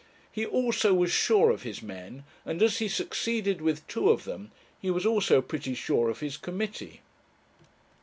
He, also, was sure of his men, and as he succeeded with two of them, he was also pretty sure of his committee.